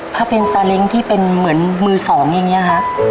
ถ้าเป็นซาเล้งที่เป็นเหมือนมือสองอย่างนี้ครับ